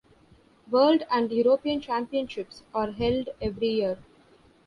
World and European Championships are held every year.